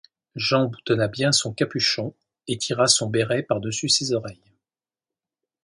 Jean boutonna bien son capuchon et tira son béret par-dessus ses oreilles.